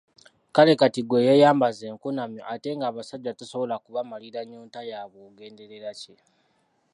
Kale kaakati ggwe eyeeyambaza enkunamyo, ate nga abasajja tosobola kubamalira nnyonta yaabwe ogenderera ki?